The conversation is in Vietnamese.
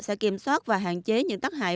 sẽ kiểm soát và hạn chế những tắc hại